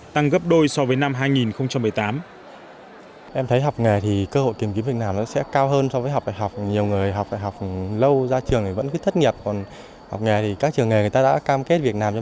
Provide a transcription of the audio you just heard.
tăng gấp đôi so với năm hai nghìn một mươi tám